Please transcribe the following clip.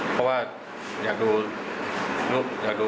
เพราะอะไรรู้สึกทำอย่างนี้